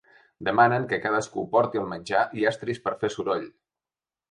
Demanen que cadascú porti el menjar i estris per a fer soroll.